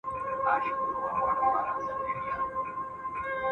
ايا دا وسايل کار کوي؟